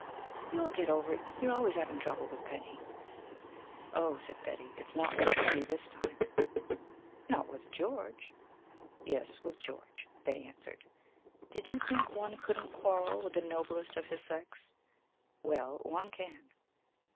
"You'll get over it. You're always having trouble with Penny. "Oh," said Betty, "it's not with Penny this time." "Not with George?" "Yes, with George," Betty answered. "Did you think one couldn't quarrel with the noblest of his sex? Well, one can."